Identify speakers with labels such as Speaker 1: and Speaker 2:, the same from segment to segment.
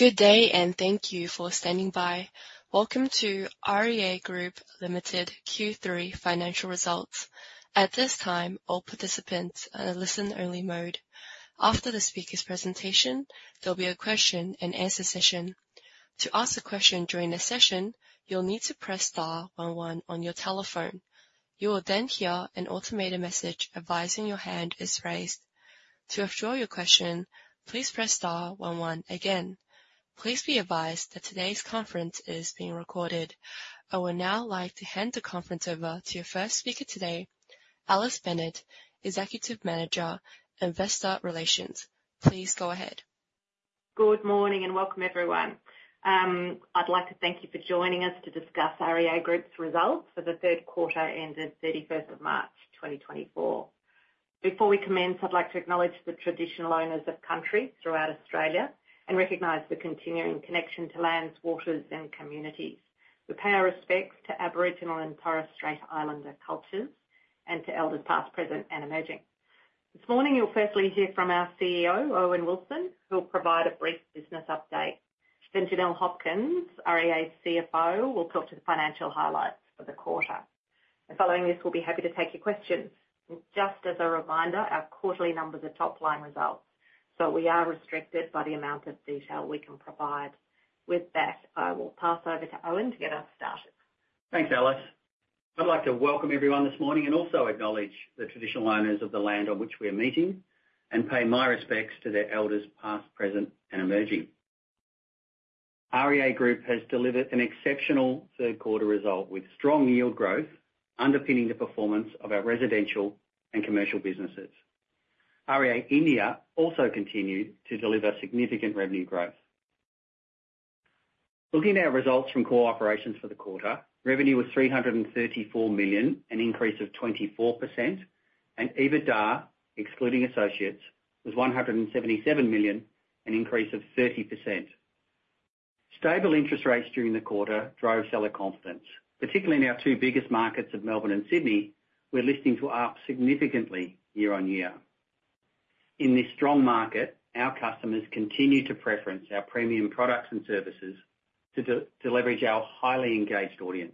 Speaker 1: Good day, and thank you for standing by. Welcome to REA Group Limited Q3 Financial Results. At this time, all participants are in a listen-only mode. After the speaker's presentation, there'll be a question-and-answer session. To ask a question during the session, you'll need to press star one one on your telephone. You will then hear an automated message advising your hand is raised. To withdraw your question, please press star one one again. Please be advised that today's conference is being recorded. I would now like to hand the conference over to your first speaker today, Alice Bennett, Executive Manager, Investor Relations. Please go ahead.
Speaker 2: Good morning, and welcome, everyone. I'd like to thank you for joining us to discuss REA Group's results for the third quarter ended 31st of March, 2024. Before we commence, I'd like to acknowledge the traditional owners of country throughout Australia and recognize the continuing connection to lands, waters, and communities. We pay our respects to Aboriginal and Torres Strait Islander cultures and to elders, past, present, and emerging. This morning, you'll firstly hear from our CEO, Owen Wilson, who'll provide a brief business update. Then Janelle Hopkins, REA's CFO, will talk to the financial highlights for the quarter. And following this, we'll be happy to take your questions. Just as a reminder, our quarterly numbers are top-line results, so we are restricted by the amount of detail we can provide. With that, I will pass over to Owen to get us started.
Speaker 3: Thanks, Alice. I'd like to welcome everyone this morning and also acknowledge the traditional owners of the land on which we're meeting, and pay my respects to their elders, past, present, and emerging. REA Group has delivered an exceptional third quarter result, with strong yield growth underpinning the performance of our residential and commercial businesses. REA India also continued to deliver significant revenue growth. Looking at our results from core operations for the quarter, revenue was 334 million, an increase of 24%, and EBITDA, excluding associates, was 177 million, an increase of 30%. Stable interest rates during the quarter drove seller confidence, particularly in our two biggest markets of Melbourne and Sydney. Listings are up significantly year-on-year. In this strong market, our customers continue to preference our premium products and services to leverage our highly engaged audience.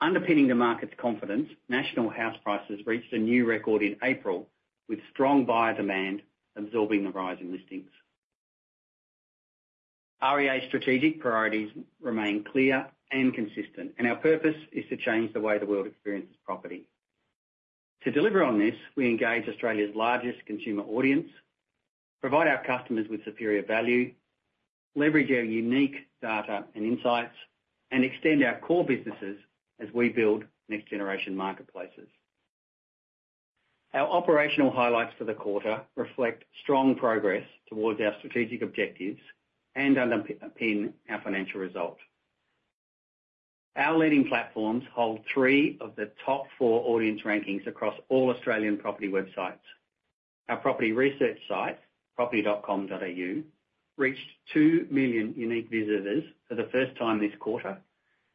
Speaker 3: Underpinning the market's confidence, national house prices reached a new record in April, with strong buyer demand absorbing the rise in listings. REA's strategic priorities remain clear and consistent, and our purpose is to change the way the world experiences property. To deliver on this, we engage Australia's largest consumer audience, provide our customers with superior value, leverage our unique data and insights, and extend our core businesses as we build next-generation marketplaces. Our operational highlights for the quarter reflect strong progress towards our strategic objectives and underpin our financial result. Our leading platforms hold three of the top four audience rankings across all Australian property websites. Our property research site, property.com.au, reached 2 million unique visitors for the first time this quarter,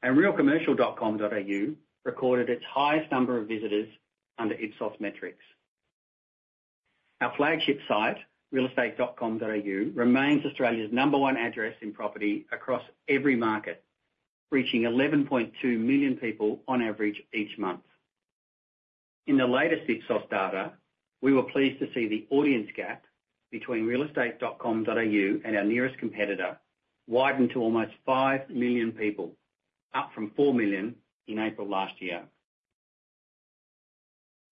Speaker 3: and realcommercial.com.au recorded its highest number of visitors under Ipsos metrics. Our flagship site, realestate.com.au, remains Australia's number one address in property across every market, reaching 11.2 million people on average each month. In the latest Ipsos data, we were pleased to see the audience gap between realestate.com.au and our nearest competitor widen to almost 5 million people, up from 4 million in April last year.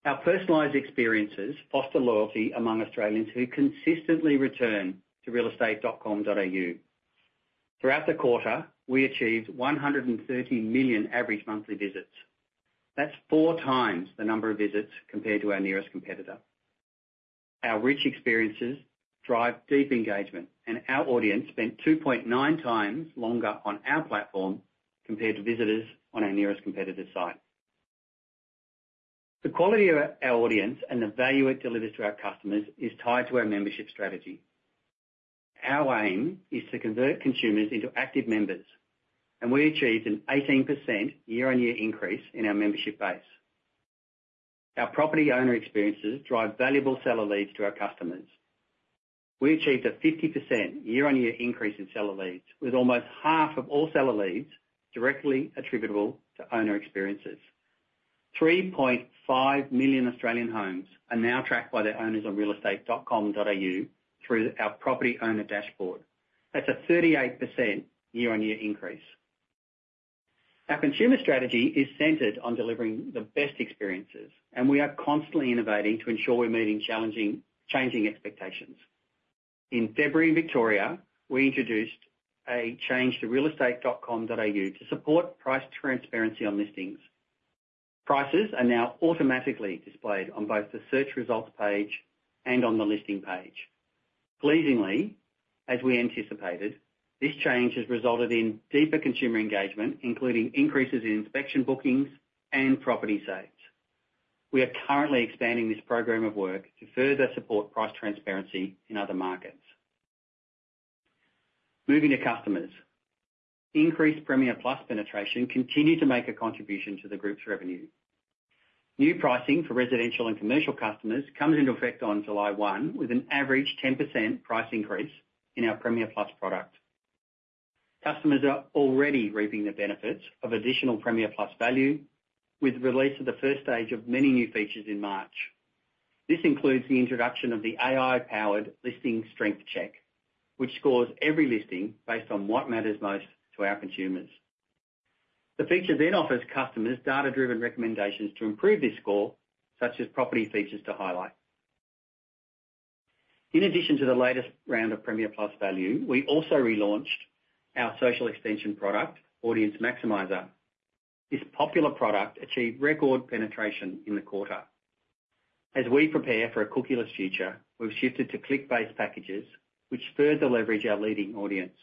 Speaker 3: Our personalized experiences foster loyalty among Australians who consistently return to realestate.com.au. Throughout the quarter, we achieved 130 million average monthly visits. That's four times the number of visits compared to our nearest competitor. Our rich experiences drive deep engagement, and our audience spent 2.9 times longer on our platform compared to visitors on our nearest competitor's site. The quality of our audience and the value it delivers to our customers is tied to our membership strategy. Our aim is to convert consumers into active members, and we achieved an 18% year-on-year increase in our membership base. Our Property Owner Experiences drive valuable seller leads to our customers. We achieved a 50% year-on-year increase in seller leads, with almost half of all seller leads directly attributable to owner experiences. 3.5 million Australian homes are now tracked by their owners on realestate.com.au through our Property Owner Dashboard. That's a 38% year-on-year increase. Our consumer strategy is centered on delivering the best experiences, and we are constantly innovating to ensure we're meeting challenging, changing expectations. In February, in Victoria, we introduced a change to realestate.com.au to support price transparency on listings. Prices are now automatically displayed on both the search results page and on the listing page. Pleasingly, as we anticipated, this change has resulted in deeper consumer engagement, including increases in inspection bookings and property saves. We are currently expanding this program of work to further support price transparency in other markets. Moving to customers. Increased Premier Plus penetration continued to make a contribution to the group's revenue. New pricing for residential and commercial customers comes into effect on July 1, with an average 10% price increase in our Premier Plus product. Customers are already reaping the benefits of additional Premier Plus value, with the release of the first stage of many new features in March. This includes the introduction of the AI-powered Listing Strength Check, which scores every listing based on what matters most to our consumers. The feature then offers customers data-driven recommendations to improve their score, such as property features to highlight. In addition to the latest round of Premier Plus value, we also relaunched our social extension product, Audience Maximizer. This popular product achieved record penetration in the quarter. As we prepare for a cookieless future, we've shifted to click-based packages, which further leverage our leading audience.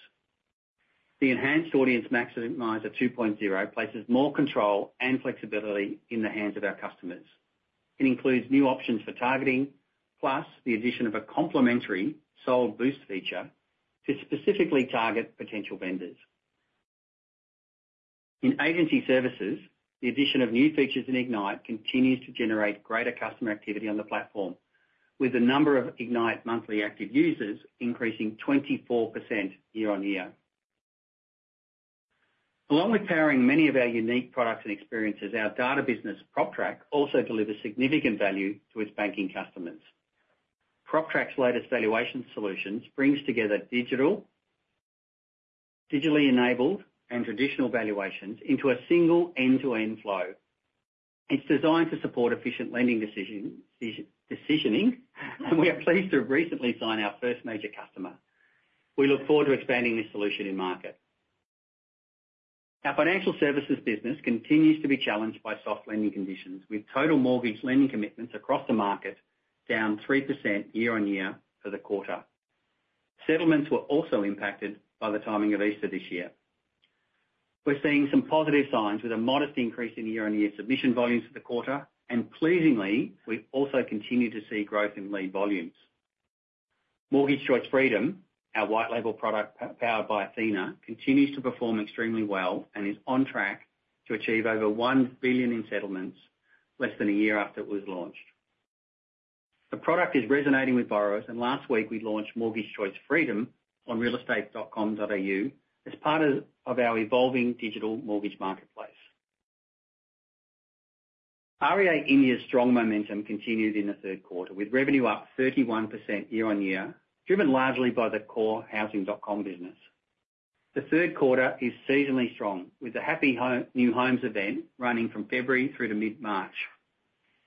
Speaker 3: The enhanced Audience Maximizer 2.0 places more control and flexibility in the hands of our customers. It includes new options for targeting, plus the addition of a complementary Sold Boost feature to specifically target potential vendors. In agency services, the addition of new features in Ignite continues to generate greater customer activity on the platform, with the number of Ignite monthly active users increasing 24% year-on-year. Along with powering many of our unique products and experiences, our data business, PropTrack, also delivers significant value to its banking customers. PropTrack's latest valuation solutions brings together digitally enabled and traditional valuations into a single end-to-end flow. It's designed to support efficient lending decisioning, and we are pleased to have recently signed our first major customer. We look forward to expanding this solution in market. Our financial services business continues to be challenged by soft lending conditions, with total mortgage lending commitments across the market down 3% year-on-year for the quarter. Settlements were also impacted by the timing of Easter this year. We're seeing some positive signs, with a modest increase in year-on-year submission volumes for the quarter, and pleasingly, we've also continued to see growth in lead volumes. Mortgage Choice Freedom, our white label product powered by Athena, continues to perform extremely well and is on track to achieve over 1 billion in settlements less than a year after it was launched. The product is resonating with borrowers, and last week, we launched Mortgage Choice Freedom on realestate.com.au as part of our evolving digital mortgage marketplace. REA India's strong momentum continued in the third quarter, with revenue up 31% year-on-year, driven largely by the core Housing.com business. The third quarter is seasonally strong, with the Happy New Homes event running from February through to mid-March.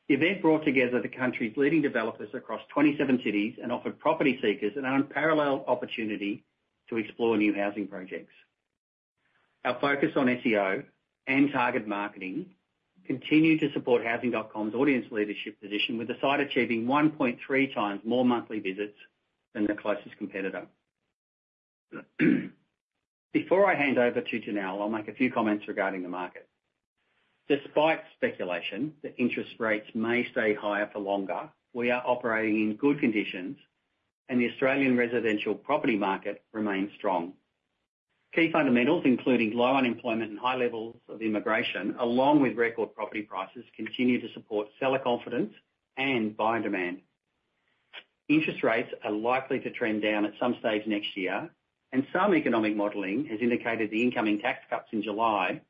Speaker 3: The event brought together the country's leading developers across 27 cities and offered property seekers an unparalleled opportunity to explore new housing projects. Our focus on SEO and target marketing continued to support Housing.com's audience leadership position, with the site achieving 1.3 times more monthly visits than the closest competitor. Before I hand over to Janelle, I'll make a few comments regarding the market. Despite speculation that interest rates may stay higher for longer, we are operating in good conditions, and the Australian residential property market remains strong. Key fundamentals, including low unemployment and high levels of immigration, along with record property prices, continue to support seller confidence and buyer demand. Interest rates are likely to trend down at some stage next year, and some economic modeling has indicated the incoming tax cuts in July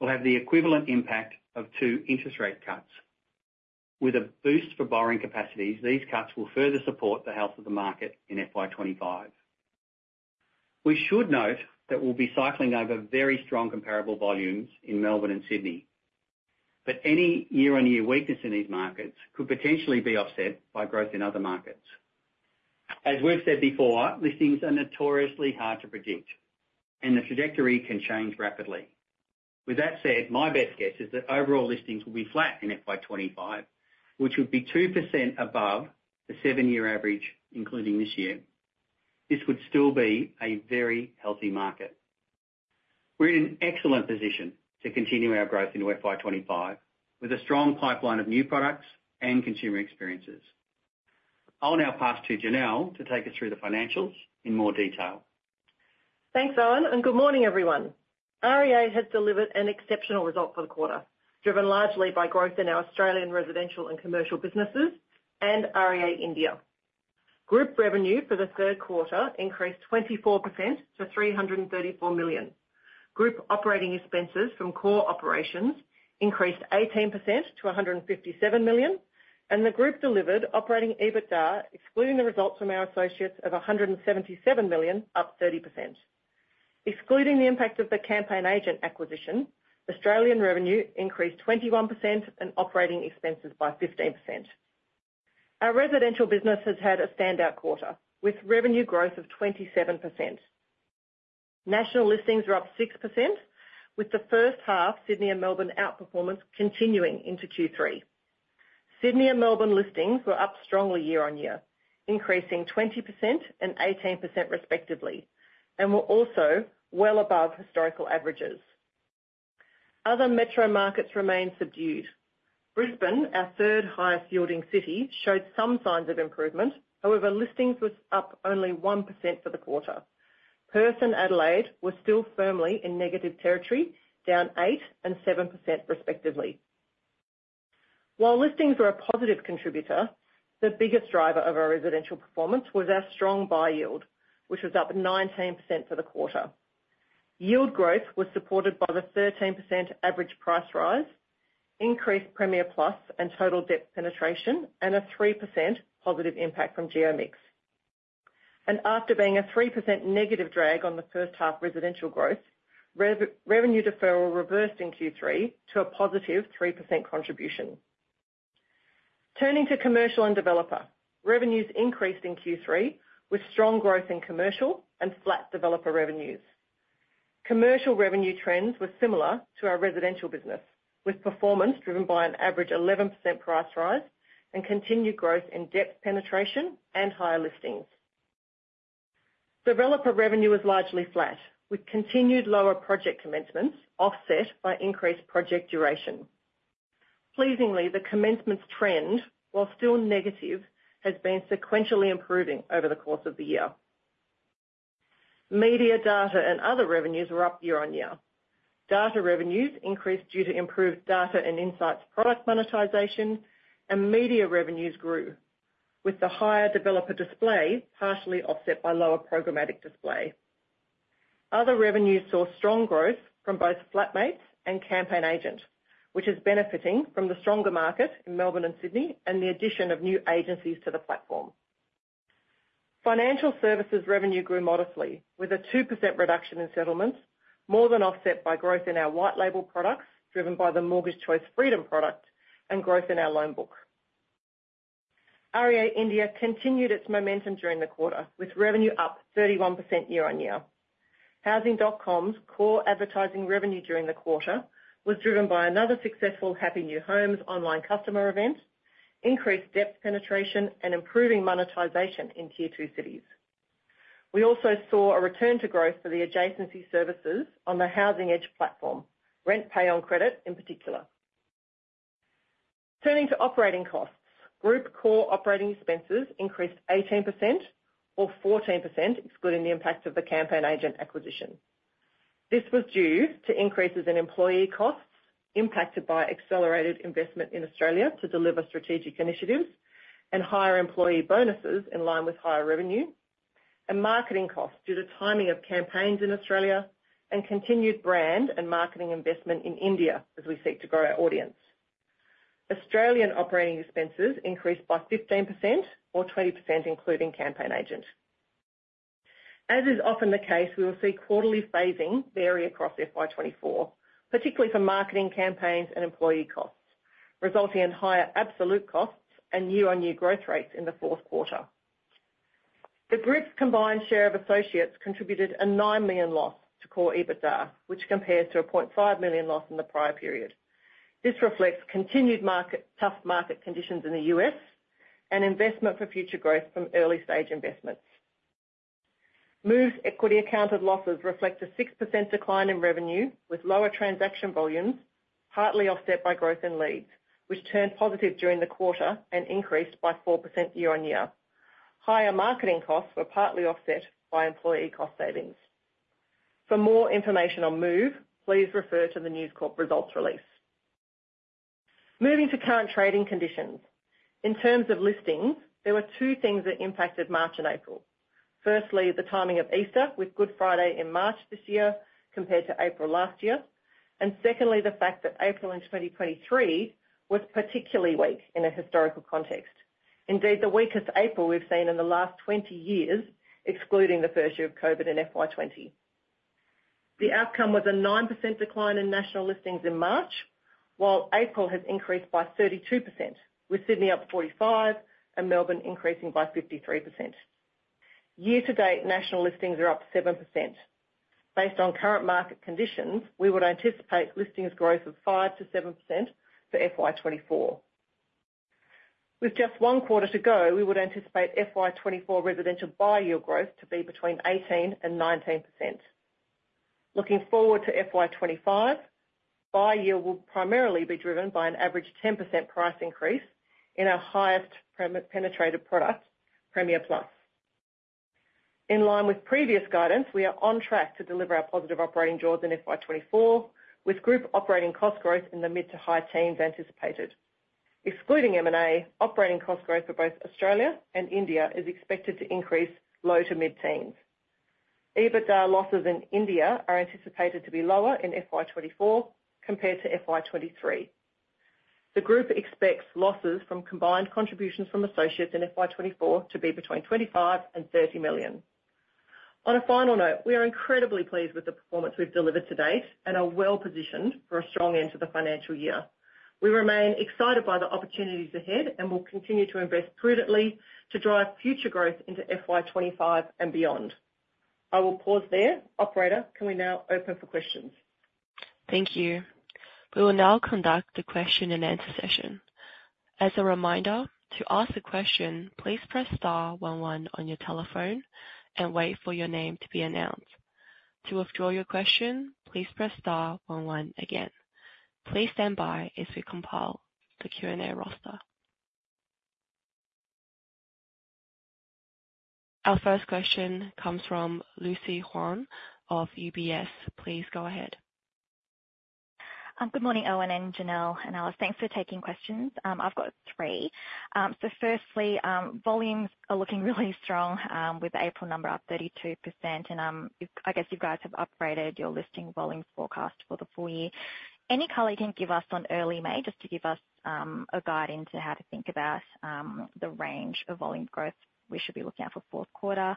Speaker 3: will have the equivalent impact of two interest rate cuts. With a boost for borrowing capacities, these cuts will further support the health of the market in FY 25. We should note that we'll be cycling over very strong comparable volumes in Melbourne and Sydney, but any year-on-year weakness in these markets could potentially be offset by growth in other markets. As we've said before, listings are notoriously hard to predict, and the trajectory can change rapidly. With that said, my best guess is that overall listings will be flat in FY 25, which would be 2% above the seven-year average, including this year. This would still be a very healthy market. We're in an excellent position to continue our growth into FY 25, with a strong pipeline of new products and consumer experiences. I'll now pass to Janelle to take us through the financials in more detail.
Speaker 4: Thanks, Owen, and good morning, everyone. REA has delivered an exceptional result for the quarter, driven largely by growth in our Australian residential and commercial businesses and REA India. Group revenue for the third quarter increased 24% to 334 million. Group operating expenses from core operations increased 18% to 157 million, and the group delivered operating EBITDA, excluding the results from our associates of 177 million, up 30%. Excluding the impact of the CampaignAgent acquisition, Australian revenue increased 21% and operating expenses by 15%. Our residential business has had a standout quarter, with revenue growth of 27%. National listings are up 6%, with the first half, Sydney and Melbourne outperformance continuing into Q3. Sydney and Melbourne listings were up strongly year-on-year, increasing 20% and 18% respectively, and were also well above historical averages. Other metro markets remain subdued. Brisbane, our third highest yielding city, showed some signs of improvement. However, listings was up only 1% for the quarter. Perth and Adelaide were still firmly in negative territory, down 8% and 7% respectively. While listings were a positive contributor, the biggest driver of our residential performance was our strong buy yield, which was up 19% for the quarter. Yield growth was supported by the 13% average price rise, increased Premier Plus and total depth penetration, and a 3% positive impact from GeoMix. After being a 3% negative drag on the first half residential growth, revenue deferral reversed in Q3 to a positive 3% contribution. Turning to commercial and developer. Revenues increased in Q3, with strong growth in commercial and flat developer revenues. Commercial revenue trends were similar to our residential business, with performance driven by an average 11% price rise and continued growth in depth penetration and higher listings. Developer revenue was largely flat, with continued lower project commencements offset by increased project duration. Pleasingly, the commencements trend, while still negative, has been sequentially improving over the course of the year. Media, data, and other revenues were up year-on-year. Data revenues increased due to improved data and insights, product monetization, and media revenues grew, with the higher developer display partially offset by lower programmatic display. Other revenues saw strong growth from both Flatmates and CampaignAgent, which is benefiting from the stronger market in Melbourne and Sydney, and the addition of new agencies to the platform. Financial services revenue grew modestly, with a 2% reduction in settlements, more than offset by growth in our white label products, driven by the Mortgage Choice Freedom product and growth in our loan book. REA India continued its momentum during the quarter, with revenue up 31% year-on-year. Housing.com's core advertising revenue during the quarter was driven by another successful Happy New Homes online customer event, increased depth penetration, and improving monetization in tier two cities. We also saw a return to growth for the adjacency services on the Housing Edge platform, RentPay on credit, in particular. Turning to operating costs. Group core operating expenses increased 18% or 14%, excluding the impact of the CampaignAgent acquisition. This was due to increases in employee costs, impacted by accelerated investment in Australia to deliver strategic initiatives, and higher employee bonuses in line with higher revenue, and marketing costs due to timing of campaigns in Australia, and continued brand and marketing investment in India as we seek to grow our audience. Australian operating expenses increased by 15% or 20%, including CampaignAgent. As is often the case, we will see quarterly phasing vary across FY 2024, particularly for marketing campaigns and employee costs, resulting in higher absolute costs and year-on-year growth rates in the fourth quarter. The group's combined share of associates contributed an 9 million loss to core EBITDA, which compares to an 0.5 million loss in the prior period. This reflects continued tough market conditions in the US and investment for future growth from early-stage investments. Move's equity accounted losses reflect a 6% decline in revenue, with lower transaction volumes, partly offset by growth in leads, which turned positive during the quarter and increased by 4% year-on-year. Higher marketing costs were partly offset by employee cost savings. For more information on Move, please refer to the News Corp results release. Moving to current trading conditions. In terms of listings, there were two things that impacted March and April. Firstly, the timing of Easter, with Good Friday in March this year compared to April last year. And secondly, the fact that April in 2023 was particularly weak in a historical context. Indeed, the weakest April we've seen in the last 20 years, excluding the first year of Covid and FY 20. The outcome was a 9% decline in national listings in March, while April has increased by 32%, with Sydney up 45%, and Melbourne increasing by 53%. Year to date, national listings are up 7%. Based on current market conditions, we would anticipate listings growth of 5%-7% for FY 2024. With just one quarter to go, we would anticipate FY 2024 residential buy yield growth to be between 18% and 19%. Looking forward to FY 2025, buy yield will primarily be driven by an average 10% price increase in our highest premium-penetrated product, Premier Plus. In line with previous guidance, we are on track to deliver our positive operating jaws in FY 2024, with group operating cost growth in the mid to high teens anticipated. Excluding M&A, operating cost growth for both Australia and India is expected to increase low to mid-teens. EBITDA losses in India are anticipated to be lower in FY 2024 compared to FY 2023. The group expects losses from combined contributions from associates in FY 2024 to be between 25 million and 30 million. On a final note, we are incredibly pleased with the performance we've delivered to date and are well-positioned for a strong end to the financial year. We remain excited by the opportunities ahead, and we'll continue to invest prudently to drive future growth into FY 2025 and beyond. I will pause there. Operator, can we now open for questions?
Speaker 1: Thank you. We will now conduct a question-and-answer session. As a reminder, to ask a question, please press star one one on your telephone and wait for your name to be announced. To withdraw your question, please press star one one again. Please stand by as we compile the Q&A roster. Our first question comes from Lucy Huang of UBS. Please go ahead.
Speaker 5: Good morning, Owen and Janelle, and Alice. Thanks for taking questions. I've got three. So firstly, volumes are looking really strong, with April number up 32%, and, I guess you guys have upgraded your listing volume forecast for the full year. Any color you can give us on early May, just to give us a guide into how to think about the range of volume growth we should be looking at for fourth quarter?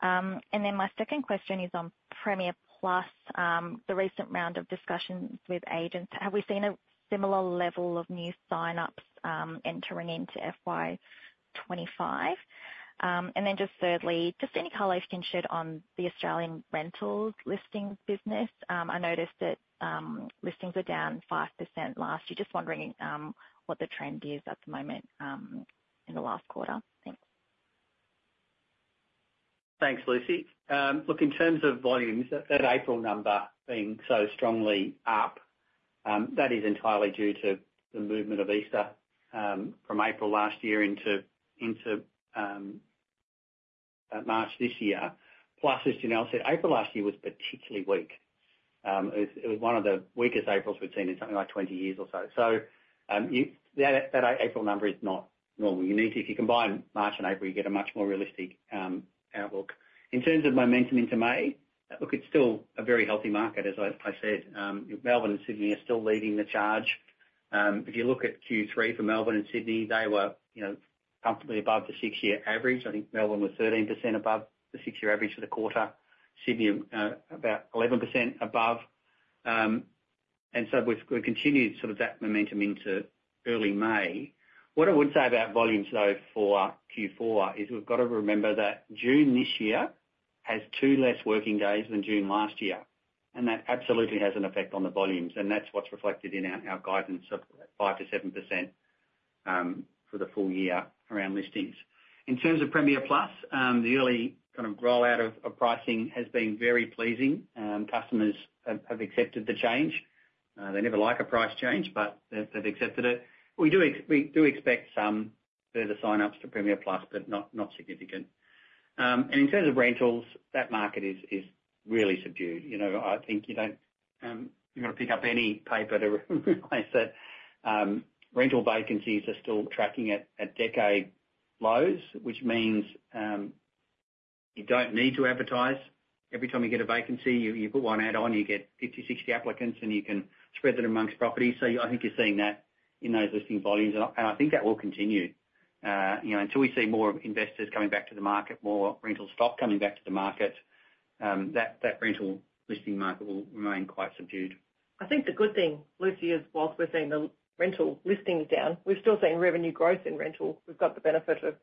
Speaker 5: And then my second question is on Premier Plus, the recent round of discussions with agents. Have we seen a similar level of new signups entering into FY 2025? And then just thirdly, just any color you can shed on the Australian rentals listings business. I noticed that listings were down 5% last year. Just wondering, what the trend is at the moment, in the last quarter? Thanks.
Speaker 3: Thanks, Lucy. Look, in terms of volumes, that April number being so strongly up, that is entirely due to the movement of Easter from April last year into March this year. Plus, as Janelle said, April last year was particularly weak. It was one of the weakest Aprils we've seen in something like 20 years or so. So, you-- that April number is not normal. You need to-- If you combine March and April, you get a much more realistic outlook. In terms of momentum into May, look, it's still a very healthy market, as I said. Melbourne and Sydney are still leading the charge. If you look at Q3 for Melbourne and Sydney, they were, you know, comfortably above the six-year average. I think Melbourne was 13% above the six-year average for the quarter, Sydney, about 11% above. And so we've continued sort of that momentum into early May. What I would say about volumes, though, for Q4, is we've got to remember that June this year has two less working days than June last year, and that absolutely has an effect on the volumes, and that's what's reflected in our guidance of 5%-7%, for the full year around listings. In terms of Premier Plus, the early kind of roll out of pricing has been very pleasing. Customers have accepted the change. They never like a price change, but they've accepted it. We do expect some further signups for Premier Plus, but not significant. And in terms of rentals, that market is really subdued. You know, I think you don't, you've got to pick up any paper to realize that, rental vacancies are still tracking at decade lows, which means, you don't need to advertise. Every time you get a vacancy, you put one ad on, you get 50, 60 applicants, and you can spread that amongst properties. So I think you're seeing that in those listing volumes, and I think that will continue. You know, until we see more investors coming back to the market, more rental stock coming back to the market, that rental listing market will remain quite subdued.
Speaker 4: I think the good thing, Lucy, is whilst we're seeing the rental listings down, we're still seeing revenue growth in rental. We've got the benefit of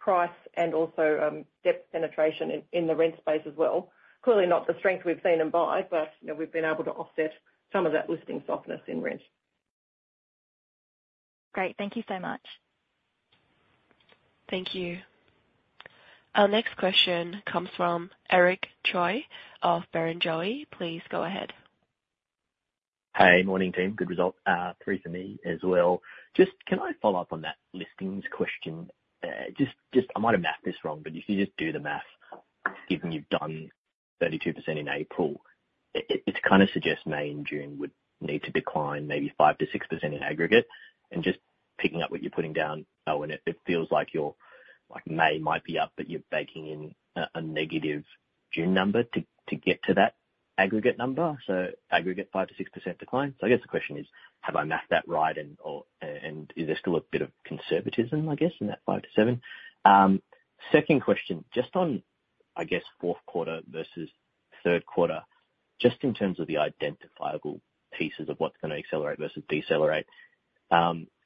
Speaker 4: price and also depth penetration in the rent space as well. Clearly not the strength we've seen in buy, but, you know, we've been able to offset some of that listing softness in rent.
Speaker 5: Great. Thank you so much.
Speaker 1: Thank you. Our next question comes from Eric Choi of Barrenjoey. Please go ahead.
Speaker 6: Hey, morning team, good result. Three for me as well. Just can I follow up on that listings question? Just, I might have math this wrong, but if you just do the math, given you've done 32% in April, it kind of suggests May and June would need to decline maybe 5%-6% in aggregate. And just picking up what you're putting down, Owen, it feels like your like May might be up, but you're baking in a negative June number to get to that aggregate number, so aggregate 5%-6% decline. So I guess the question is, have I math that right? And, or, and is there still a bit of conservatism, I guess, in that 5%-7%? Second question, just on, I guess, fourth quarter versus third quarter, just in terms of the identifiable pieces of what's gonna accelerate versus decelerate.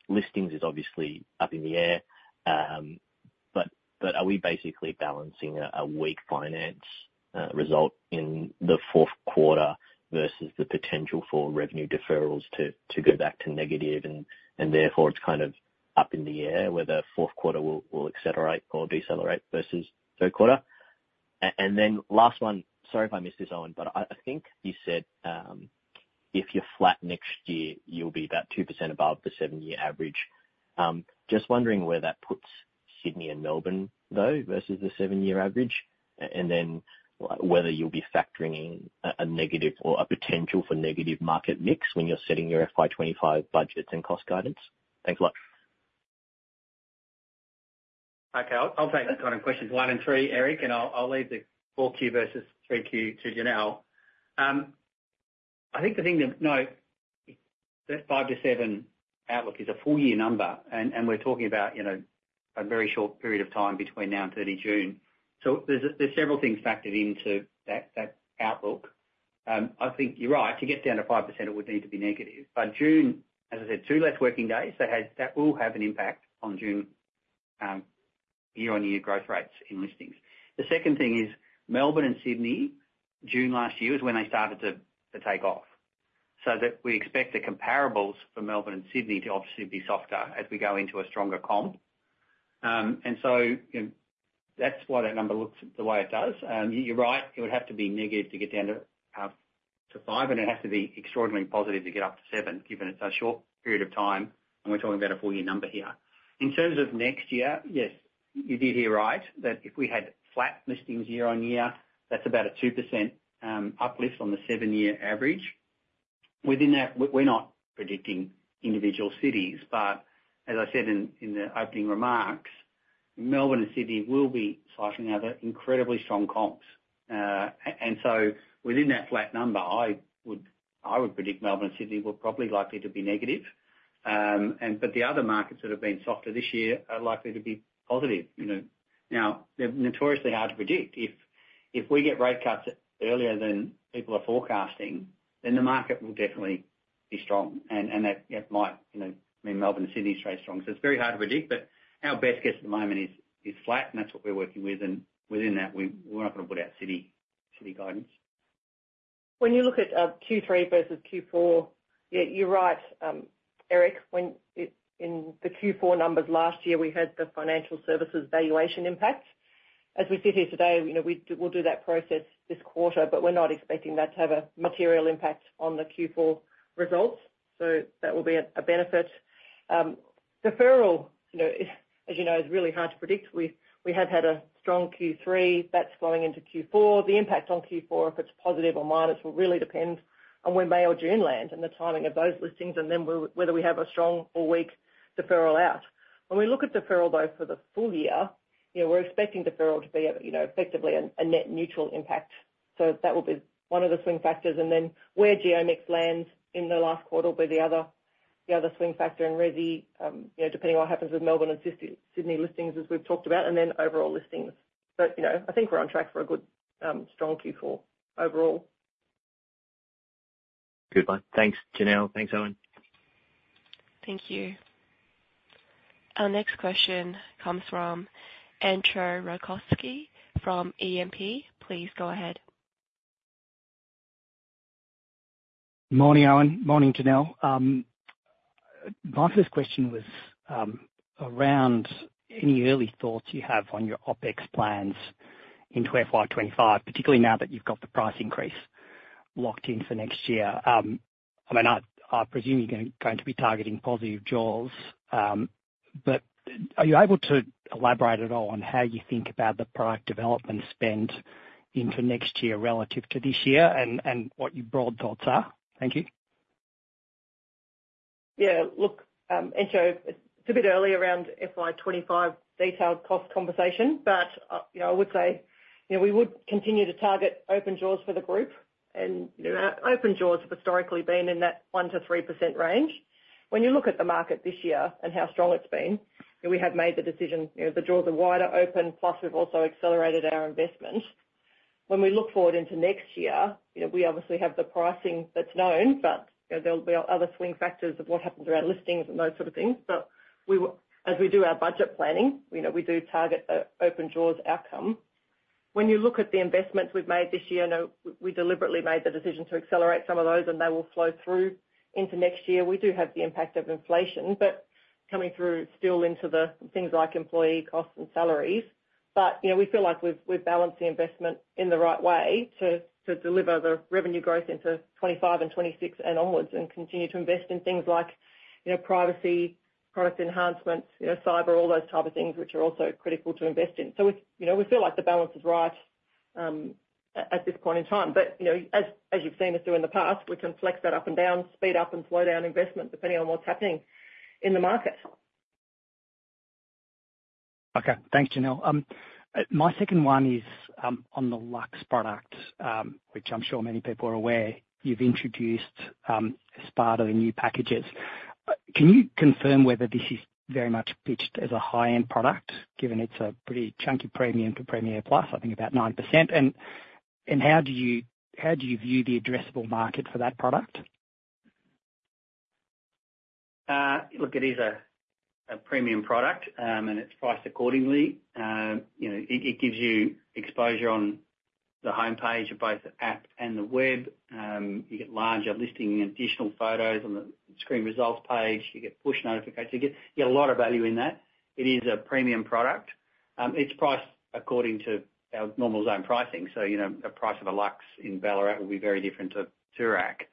Speaker 6: Listings is obviously up in the air, but are we basically balancing a weak finance result in the fourth quarter versus the potential for revenue deferrals to go back to negative? And therefore it's kind of up in the air, whether fourth quarter will accelerate or decelerate versus third quarter. And then last one, sorry if I missed this, Owen, but I think you said, if you're flat next year, you'll be about 2% above the seven-year average. Just wondering where that puts Sydney and Melbourne, though, versus the seven-year average? And then whether you'll be factoring in a negative or a potential for negative market mix when you're setting your FY 25 budgets and cost guidance? Thanks a lot.
Speaker 3: Okay. I'll take those kind of questions one and three, Eric, and I'll leave the 4Q versus 3Q to Janelle. I think the thing to note, that 5-7 outlook is a full year number, and we're talking about, you know, a very short period of time between now and 30 June. So there's several things factored into that outlook. I think you're right, to get down to 5% it would need to be negative. But June, as I said, 2 less working days, that has, that will have an impact on June, year-on-year growth rates in listings. The second thing is, Melbourne and Sydney, June last year is when they started to take off, so that we expect the comparables for Melbourne and Sydney to obviously be softer as we go into a stronger comp. So, you know, that's why that number looks the way it does. You're right, it would have to be negative to get down to five, and it has to be extraordinarily positive to get up to seven, given it's a short period of time, and we're talking about a full year number here. In terms of next year, yes, you did hear right, that if we had flat listings year-on-year, that's about a 2% uplift on the seven-year average. Within that, we're not predicting individual cities, but as I said in the opening remarks, Melbourne and Sydney will be cycling out of incredibly strong comps. And so within that flat number, I would, I would predict Melbourne and Sydney will probably likely to be negative. But the other markets that have been softer this year are likely to be positive, you know. Now, they're notoriously hard to predict. If we get rate cuts earlier than people are forecasting, then the market will definitely be strong, and that might, you know, mean Melbourne and Sydney stay strong. So it's very hard to predict, but our best guess at the moment is flat, and that's what we're working with, and within that, we're not gonna put out city guidance.
Speaker 4: When you look at Q3 versus Q4, yeah, you're right, Eric, when in the Q4 numbers last year, we had the financial services valuation impact. As we sit here today, you know, we'll do that process this quarter, but we're not expecting that to have a material impact on the Q4 results, so that will be a benefit. Deferral, you know, as you know, is really hard to predict. We have had a strong Q3 that's flowing into Q4. The impact on Q4, if it's positive or minus, will really depend on where May or June land and the timing of those listings, and then whether we have a strong or weak deferral out. When we look at deferral, though, for the full year, you know, we're expecting deferral to be, you know, effectively a net neutral impact. So that will be one of the swing factors, and then where GeoMix lands in the last quarter will be the other, the other swing factor. And resi, you know, depending on what happens with Melbourne and Sydney listings, as we've talked about, and then overall listings. But, you know, I think we're on track for a good, strong Q4 overall.
Speaker 6: Good. Bye. Thanks, Janelle. Thanks, Owen.
Speaker 1: Thank you. Our next question comes from Entcho Raykovski from E&P. Please go ahead.
Speaker 7: Morning, Owen. Morning, Janelle. My first question was around any early thoughts you have on your OpEx plans in 25, particularly now that you've got the price increase locked in for next year. I mean, I presume you're going to be targeting positive jaws, but are you able to elaborate at all on how you think about the product development spend into next year relative to this year, and what your broad thoughts are? Thank you.
Speaker 4: Yeah, look, Entcho, it's a bit early around FY 25 detailed cost conversation, but, you know, I would say, you know, we would continue to target operating jaws for the group. And, you know, our operating jaws have historically been in that 1%-3% range. When you look at the market this year and how strong it's been, and we have made the decision, you know, the jaws are wider open, plus we've also accelerated our investment. When we look forward into next year, you know, we obviously have the pricing that's known, but, you know, there'll be other swing factors of what happens around listings and those sort of things. But as we do our budget planning, you know, we do target an operating jaws outcome. When you look at the investments we've made this year, I know we deliberately made the decision to accelerate some of those, and they will flow through into next year. We do have the impact of inflation, but coming through still into the things like employee costs and salaries. But, you know, we feel like we've, we've balanced the investment in the right way to, to deliver the revenue growth into 2025 and 2026 and onwards, and continue to invest in things like, you know, privacy, product enhancements, you know, cyber, all those type of things, which are also critical to invest in. We, you know, we feel like the balance is right at this point in time, but, you know, as you've seen us do in the past, we can flex that up and down, speed up and slow down investment, depending on what's happening in the market.
Speaker 7: Okay. Thanks, Janelle. My second one is on the Luxe product, which I'm sure many people are aware you've introduced as part of the new packages. Can you confirm whether this is very much pitched as a high-end product, given it's a pretty chunky premium to Premier Plus, I think about 9%? And how do you view the addressable market for that product?
Speaker 3: Look, it is a premium product, and it's priced accordingly. You know, it gives you exposure on the homepage of both the app and the web. You get larger listing and additional photos on the search results page, you get push notifications. You get a lot of value in that. It is a premium product. It's priced according to our normal zone pricing. So, you know, the price of a Luxe in Ballarat will be very different to Toorak.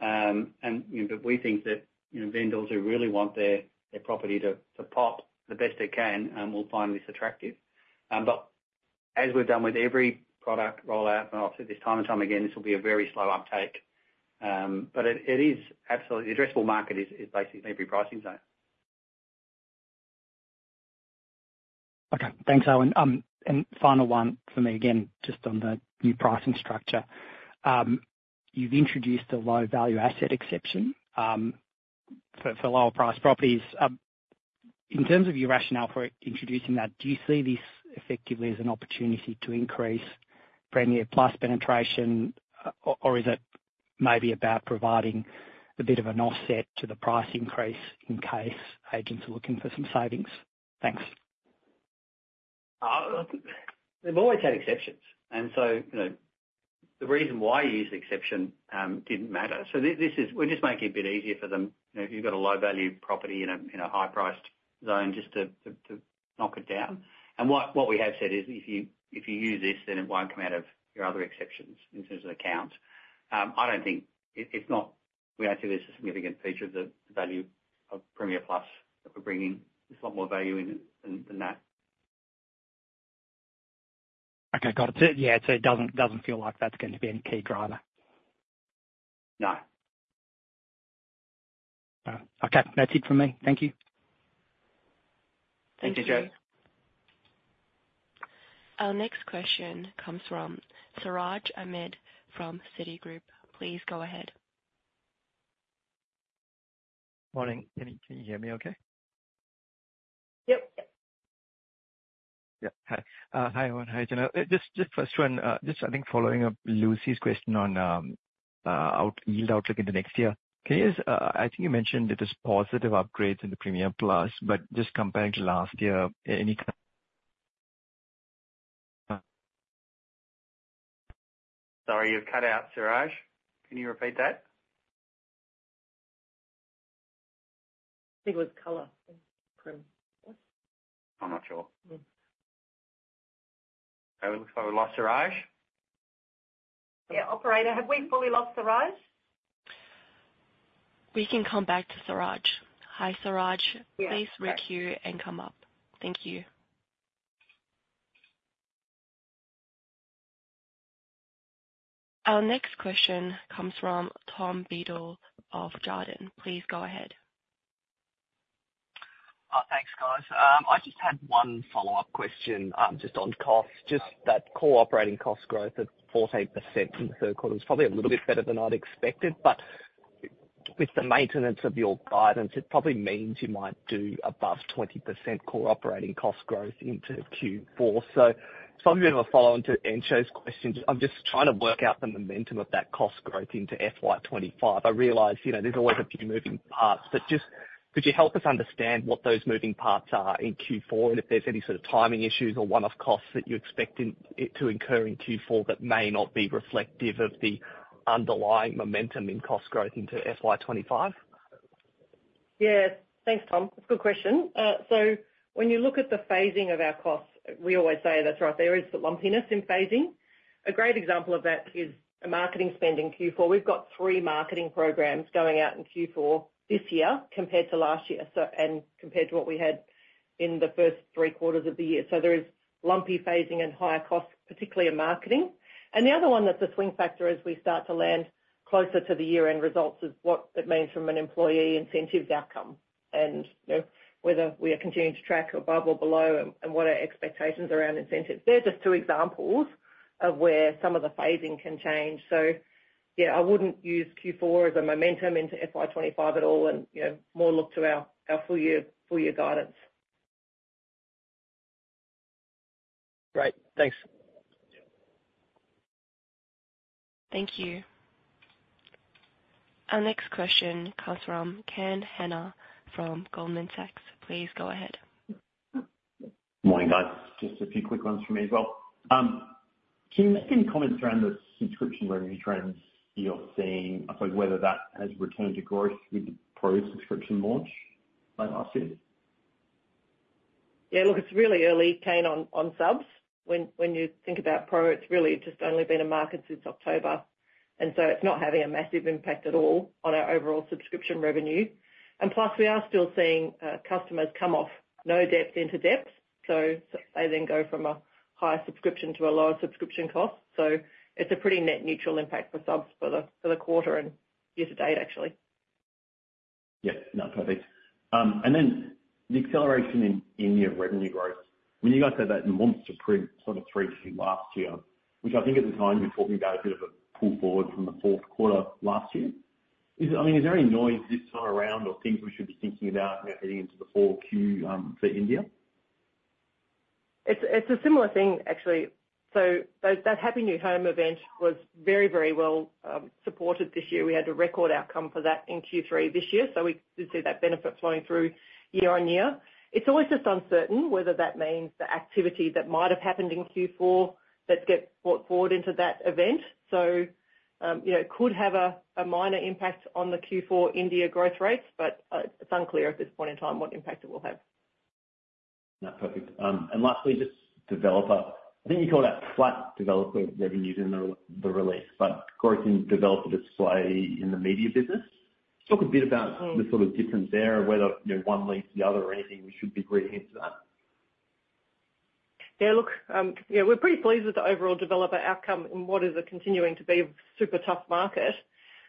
Speaker 3: And, you know, but we think that, you know, vendors who really want their property to pop the best they can, will find this attractive. But as we've done with every product rollout, and I'll say this time and time again, this will be a very slow uptake. But it is absolutely. The addressable market is basically every pricing zone.
Speaker 7: Okay. Thanks, Owen. And final one for me, again, just on the new pricing structure. You've introduced a low-value asset exception for lower priced properties. In terms of your rationale for introducing that, do you see this effectively as an opportunity to increase Premier Plus penetration, or is it maybe about providing a bit of an offset to the price increase in case agents are looking for some savings? Thanks.
Speaker 3: We've always had exceptions, and so, the reason why you use the exception didn't matter. So, this is. We're just making it a bit easier for them. You know, if you've got a low-value property in a high-priced zone, just to knock it down. And what we have said is, if you use this, then it won't come out of your other exceptions in terms of the count. I don't think it. It's not. We don't see this as a significant feature of the value of Premier Plus that we're bringing. There's a lot more value in it than that.
Speaker 7: Okay, got it. Yeah, so it doesn't feel like that's going to be any key driver.
Speaker 3: No.
Speaker 8: All right. Okay, that's it for me. Thank you.
Speaker 3: Thank you, Entcho.
Speaker 1: Our next question comes from Siraj Ahmed from Citigroup. Please go ahead.
Speaker 9: Morning. Can you hear me okay?
Speaker 4: Yep.
Speaker 9: Yeah. Hi. Hi, everyone. Hi, Janelle. Just first one, just I think following up Lucy's question on buy yield outlook into next year. Can you just. I think you mentioned that there's positive upgrades in the Premier Plus, but just compared to last year, any kind
Speaker 3: Sorry, you cut out, Siraj. Can you repeat that?
Speaker 4: I think it was color, prim. Yes?
Speaker 3: I'm not sure.
Speaker 4: Mm.
Speaker 3: Okay, it looks like we lost Siraj.
Speaker 4: Yeah. Operator, have we fully lost Siraj?
Speaker 1: We can come back to Siraj. Hi, Siraj.
Speaker 4: Yeah.
Speaker 1: Please re-queue and come up. Thank you. Our next question comes from Tom Beadle of Jarden. Please go ahead.
Speaker 10: Thanks, guys. I just had one follow-up question, just on costs. Just that core operating cost growth of 14% in the third quarter is probably a little bit better than I'd expected. But with the maintenance of your guidance, it probably means you might do above 20% core operating cost growth into Q4. So it's probably a bit of a follow-on to Entcho's question. I'm just trying to work out the momentum of that cost growth into FY 25. I realize, you know, there's always a few moving parts, but just could you help us understand what those moving parts are in Q4, and if there's any sort of timing issues or one-off costs that you expect it to incur in Q4 that may not be reflective of the underlying momentum in cost growth into FY 25?
Speaker 4: Yeah. Thanks, Tom. That's a good question. So when you look at the phasing of our costs, we always say that's right, there is the lumpiness in phasing. A great example of that is the marketing spend in Q4. We've got three marketing programs going out in Q4 this year compared to last year, so, and compared to what we had in the first three quarters of the year. So there is lumpy phasing and higher costs, particularly in marketing. And the other one that's a swing factor as we start to land closer to the year-end results, is what it means from an employee incentives outcome. And, you know, whether we are continuing to track above or below and, and what are our expectations around incentives. They're just two examples of where some of the phasing can change. So yeah, I wouldn't use Q4 as a momentum into FY 25 at all and, you know, more look to our, our full year, full year guidance.
Speaker 10: Great. Thanks.
Speaker 1: Thank you. Our next question comes from Kane Hannan from Goldman Sachs. Please go ahead.
Speaker 8: Morning, guys. Just a few quick ones from me as well. Can you make any comments around the subscription revenue trends you're seeing, as well whether that has returned to growth with the Pro subscription launch, last year?
Speaker 4: Yeah, look, it's really early, Ken, on subs. When you think about Pro, it's really just only been in market since October, and so it's not having a massive impact at all on our overall subscription revenue. And plus, we are still seeing customers come off no debt into depth, so they then go from a higher subscription to a lower subscription cost. So it's a pretty net neutral impact for subs for the quarter and year to date, actually.
Speaker 8: Yeah. No, perfect. And then the acceleration in India revenue growth, when you guys had that monster print, sort of Q3 last year, which I think at the time you were talking about a bit of a pull forward from the fourth quarter last year. Is it? I mean, is there any noise this time around or things we should be thinking about, you know, heading into the Q4, for India?
Speaker 4: It's a similar thing, actually. So that Happy New Home event was very, very well supported this year. We had a record outcome for that in Q3 this year, so we did see that benefit flowing through year on year. It's always just uncertain whether that means the activity that might have happened in Q4 that get brought forward into that event. So, you know, it could have a minor impact on the Q4 India growth rates, but it's unclear at this point in time what impact it will have.
Speaker 8: No, perfect. And lastly, just developer. I think you called out flat developer revenues in the release, but growth in developer display in the media business. Talk a bit about
Speaker 4: Mm.
Speaker 8: the sort of difference there, whether, you know, one leads to the other or anything, we should be reading into that.
Speaker 4: Yeah, look, yeah, we're pretty pleased with the overall developer outcome in what is continuing to be a super tough market.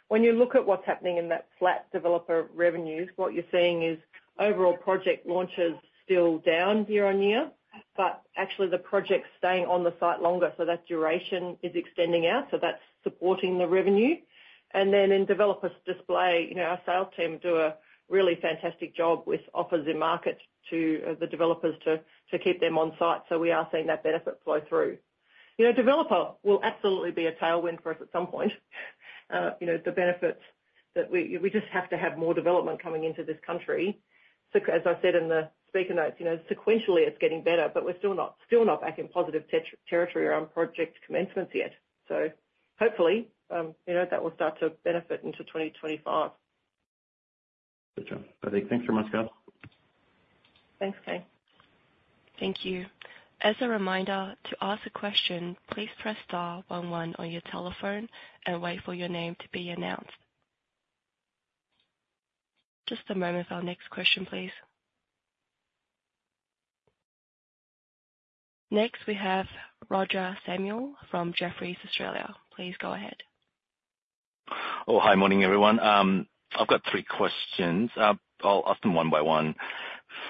Speaker 4: When you look at what's happening in that flat developer revenues, what you're seeing is overall project launches still down year-on-year, but actually the project's staying on the site longer, so that duration is extending out, so that's supporting the revenue. And then in developers display, you know, our sales team do a really fantastic job with offers in market to, the developers to keep them on site. So we are seeing that benefit flow through. You know, developer will absolutely be a tailwind for us at some point. You know, the benefits that we just have to have more development coming into this country. So as I said in the speaker notes, you know, sequentially it's getting better, but we're still not back in positive territory around project commencements yet. So hopefully, you know, that will start to benefit into 2025.
Speaker 8: Good job. I think. Thanks very much, Hop.
Speaker 4: Thanks, Kane.
Speaker 1: Thank you. As a reminder, to ask a question, please press star one one on your telephone and wait for your name to be announced. Just a moment for our next question, please. Next, we have Roger Samuel from Jefferies Australia. Please go ahead.
Speaker 11: Oh, hi. Morning, everyone. I've got three questions. I'll ask them one by one.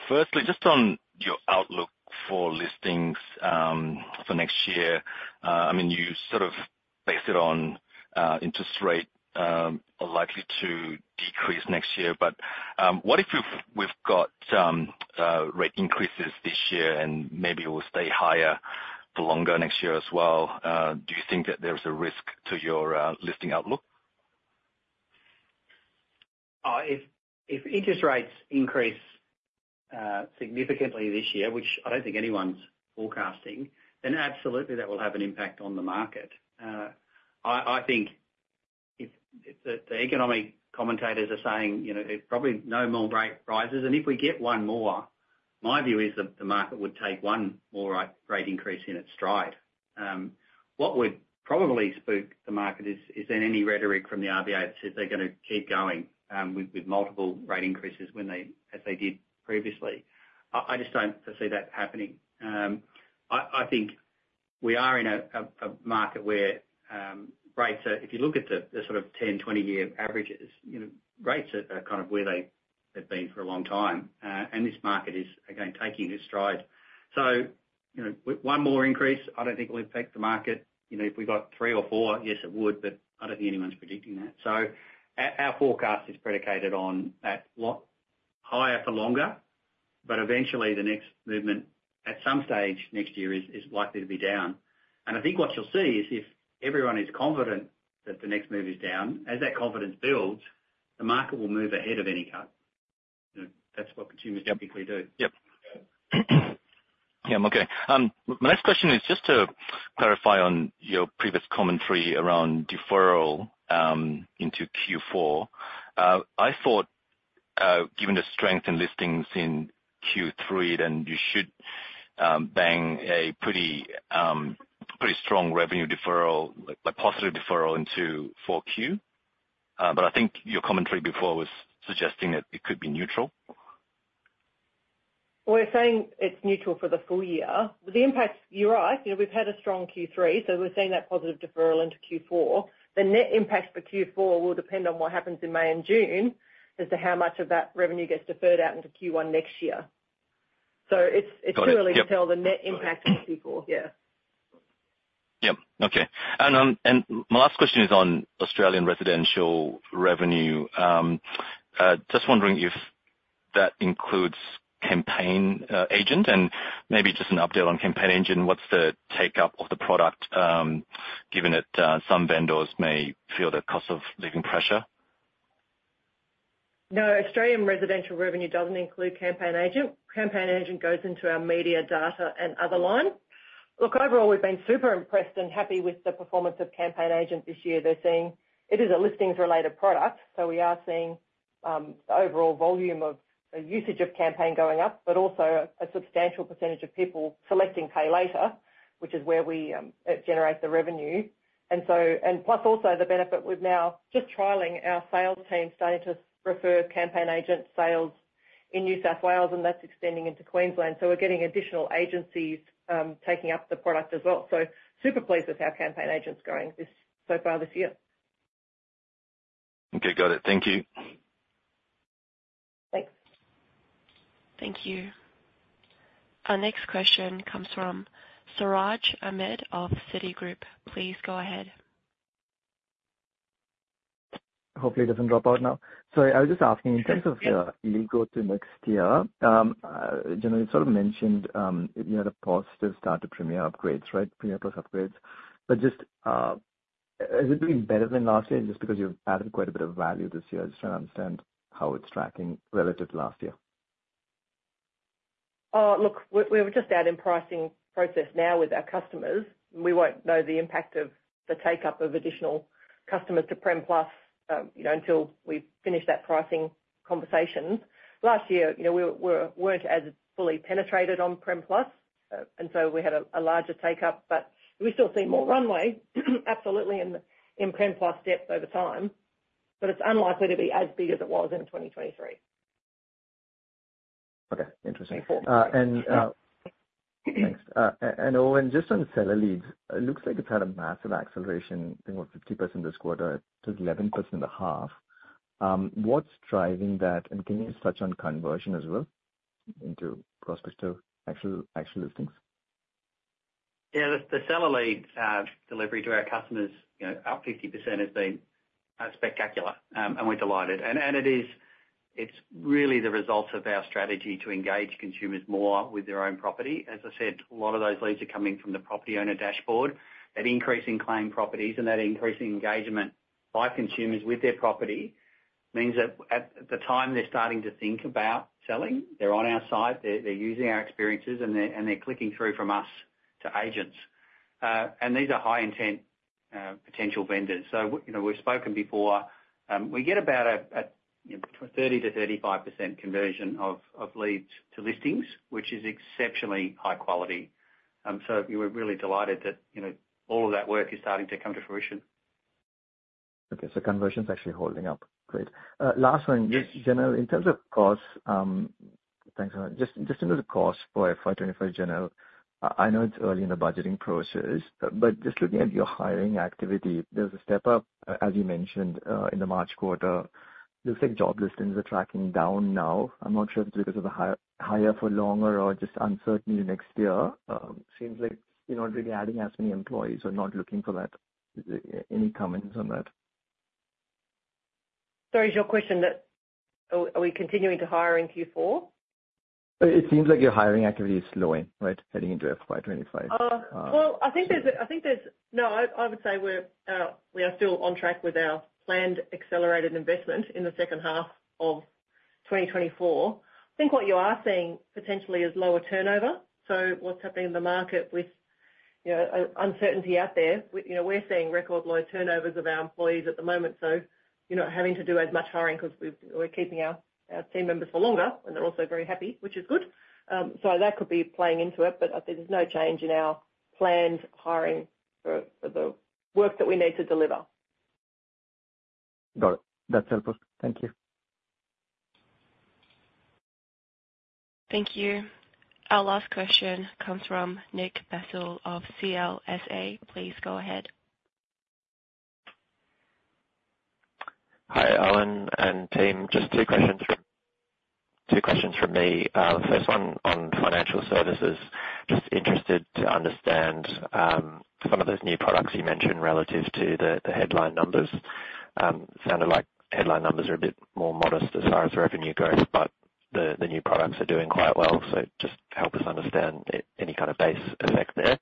Speaker 11: Firstly, just on your outlook for listings for next year. I mean, you sort of based it on interest rate are likely to decrease next year, but what if you've- we've got rate increases this year and maybe will stay higher for longer next year as well? Do you think that there is a risk to your listing outlook?
Speaker 3: If interest rates increase significantly this year, which I don't think anyone's forecasting, then absolutely that will have an impact on the market. I think if the economic commentators are saying, you know, there's probably no more rate rises, and if we get one more, my view is that the market would take one more rate increase in its stride. What would probably spook the market is there any rhetoric from the RBA that says they're gonna keep going with multiple rate increases when they—as they did previously? I just don't foresee that happening. I think we are in a market where rates are. If you look at the sort of 10-, 20-year averages, you know, rates are kind of where they have been for a long time. And this market is again, taking in stride. So, you know, one more increase, I don't think will impact the market. You know, if we got three or four, yes, it would, but I don't think anyone's predicting that. So our, our forecast is predicated on that lot higher for longer, but eventually, the next movement at some stage next year is, is likely to be down. And I think what you'll see is if everyone is confident that the next move is down, as that confidence builds, the market will move ahead of any cut. You know, that's what consumers typically do.
Speaker 11: Yep. Yeah, I'm okay. My next question is just to clarify on your previous commentary around deferral into Q4. I thought, given the strength in listings in Q3, then you should bang a pretty strong revenue deferral, like positive deferral into four Q. But I think your commentary before was suggesting that it could be neutral.
Speaker 4: We're saying it's neutral for the full year. The impact, you're right, you know, we've had a strong Q3, so we're seeing that positive deferral into Q4. The net impact for Q4 will depend on what happens in May and June, as to how much of that revenue gets deferred out into Q1 next year. So it's.
Speaker 11: Got it.
Speaker 4: Too early to tell the net impact for Q4. Yeah.
Speaker 11: Yeah. Okay. And my last question is on Australian residential revenue. Just wondering if that includes CampaignAgent, and maybe just an update on CampaignAgent. What's the take-up of the product, given that some vendors may feel the cost of living pressure?
Speaker 4: No, Australian residential revenue doesn't include CampaignAgent. CampaignAgent goes into our media, data, and other line. Look, overall, we've been super impressed and happy with the performance of CampaignAgent this year. They're seeing. It is a listings-related product, so we are seeing the overall volume of the usage of Campaign going up, but also a substantial percentage of people selecting Pay Later, which is where we generate the revenue. And so- and plus also the benefit, we're now just trialing our sales team, starting to refer CampaignAgent sales in New South Wales, and that's extending into Queensland. So we're getting additional agencies taking up the product as well. So super pleased with how CampaignAgent's going this- so far this year.
Speaker 11: Okay, got it. Thank you.
Speaker 4: Thanks.
Speaker 1: Thank you. Our next question comes from Siraj Ahmed of Citigroup. Please go ahead.
Speaker 9: Hopefully it doesn't drop out now. Sorry, I was just asking in terms of lead growth to next year, generally sort of mentioned, you had a positive start to Premier upgrades, right? Premier Plus upgrades. But just, is it doing better than last year just because you've added quite a bit of value this year? I just try to understand how it's tracking relative to last year.
Speaker 4: Look, we're just out in pricing process now with our customers. We won't know the impact of the take-up of additional customers to Prem Plus, you know, until we finish that pricing conversation. Last year, you know, we weren't as fully penetrated on Prem Plus, and so we had a larger take-up, but we still see more runway, absolutely, in Prem Plus depth over time, but it's unlikely to be as big as it was in 2023.
Speaker 9: Okay, interesting.
Speaker 4: Yeah.
Speaker 9: Next, Owen, just on seller leads, it looks like it's had a massive acceleration, I think, about 50% this quarter to 11% in the half. What's driving that, and can you touch on conversion as well, into prospects to actual listings?
Speaker 3: Yeah, the seller leads delivery to our customers, you know, up 50% has been spectacular, and we're delighted. And it is. It's really the result of our strategy to engage consumers more with their own property. As I said, a lot of those leads are coming from the Property Owner Dashboard. That increase in claimed properties and that increase in engagement by consumers with their property means that at the time they're starting to think about selling, they're on our site, they're using our experiences, and they're clicking through from us to agents. And these are high intent potential vendors. So, you know, we've spoken before, we get about, you know, between 30%-35% conversion of leads to listings, which is exceptionally high quality. So we're really delighted that, you know, all of that work is starting to come to fruition.
Speaker 9: Okay, so conversion's actually holding up. Great. Last one.
Speaker 3: Yes.
Speaker 9: Jan, in terms of cost. Thanks, Owen. Just, just in terms of cost for FY 25, Janelle, I, I know it's early in the budgeting process, but just looking at your hiring activity, there's a step up, as you mentioned, in the March quarter. Looks like job listings are tracking down now. I'm not sure if it's because of the hire for longer or just uncertainty next year. Seems like you're not really adding as many employees or not looking for that. Is there any comments on that?
Speaker 4: Sorry, is your question that, are we continuing to hire in Q4?
Speaker 9: It seems like your hiring activity is slowing, right? Heading into FY 25.
Speaker 4: Well, I think there's no, I would say we're, we are still on track with our planned accelerated investment in the second half of 2024. I think what you are seeing potentially is lower turnover. So what's happening in the market with, you know, uncertainty out there, you know, we're seeing record low turnovers of our employees at the moment, so you're not having to do as much hiring because we've, we're keeping our, our team members for longer, and they're also very happy, which is good. So that could be playing into it, but I think there's no change in our planned hiring for, for the work that we need to deliver.
Speaker 9: Got it. That's helpful. Thank you.
Speaker 1: Thank you. Our last question comes from Nick Basile of CLSA. Please go ahead.
Speaker 12: Hi, Owen and team. Just two questions, two questions from me. The first one on financial services. Just interested to understand, some of those new products you mentioned relative to the, the headline numbers. Sounded like headline numbers are a bit more modest as far as revenue goes, but the, the new products are doing quite well. So just help us understand any kind of base effect there.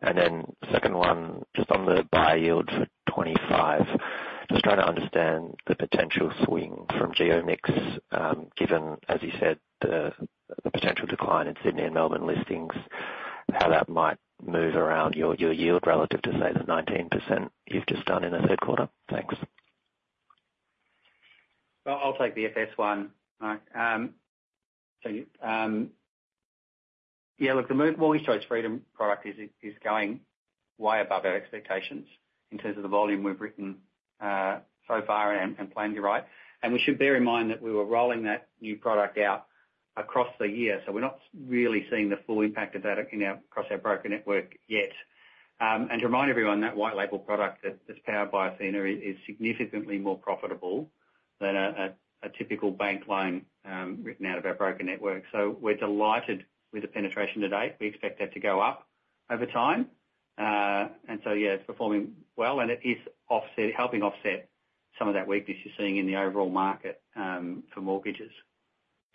Speaker 12: And then second one, just on the buy yields for 25. Just trying to understand the potential swing from GeoMix, given, as you said, the, the potential decline in Sydney and Melbourne listings, how that might move around your, your yield relative to, say, the 19% you've just done in the third quarter? Thanks.
Speaker 3: Well, I'll take the FS one. All right. So, yeah, look, the Mortgage Freedom product is going way above our expectations in terms of the volume we've written, so far and planned, you're right. And we should bear in mind that we were rolling that new product out across the year, so we're not really seeing the full impact of that across our broker network yet. And to remind everyone, that white label product that's powered by Athena is significantly more profitable than a typical bank loan written out of our broker network. So we're delighted with the penetration to date. We expect that to go up over time. And so yeah, it's performing well, and it is helping offset some of that weakness you're seeing in the overall market, for mortgages.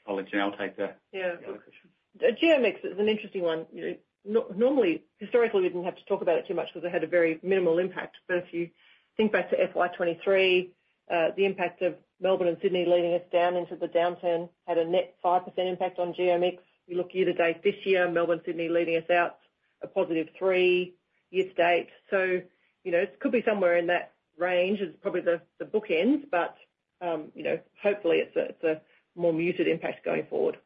Speaker 3: I'll let Janelle take the.
Speaker 4: Yeah.
Speaker 3: Other question.
Speaker 4: GeoMix is an interesting one. You know, normally, historically, we didn't have to talk about it too much because it had a very minimal impact. But if you think back to FY 2023, the impact of Melbourne and Sydney leading us down into the downturn had a net 5% impact on GeoMix. We look year to date this year, Melbourne, Sydney leading us out, a positive 3% year to date. So you know, it could be somewhere in that range. It's probably the bookends, but, you know, hopefully it's a more muted impact going forward.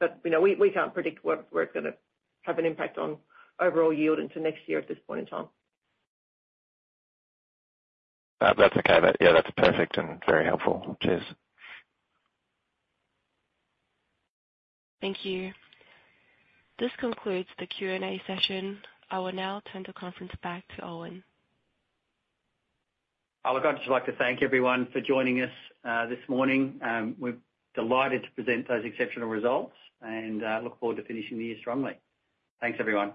Speaker 4: But, you know, we can't predict where it's gonna have an impact on overall yield into next year at this point in time.
Speaker 12: That's okay. That, yeah, that's perfect and very helpful. Cheers.
Speaker 1: Thank you. This concludes the Q&A session. I will now turn the conference back to Owen.
Speaker 3: I would just like to thank everyone for joining us, this morning. We're delighted to present those exceptional results and, look forward to finishing the year strongly. Thanks, everyone.